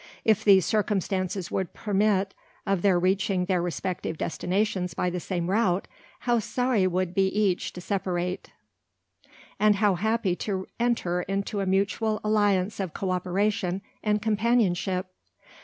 If these circumstances would permit of their reaching their respective destinations by the same route, how sorry would each be to separate, and how happy to enter into a mutual alliance of co operation and companionship!